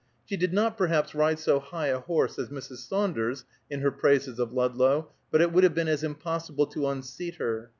She did not, perhaps, ride so high a horse as Mrs. Saunders in her praises of Ludlow, but it would have been as impossible to unseat her.